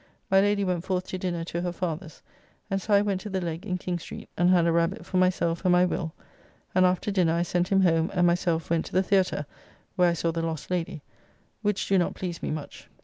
My Lady went forth to dinner to her father's, and so I went to the Leg in King Street and had a rabbit for myself and my Will, and after dinner I sent him home and myself went to the Theatre, where I saw "The Lost Lady," which do not please me much.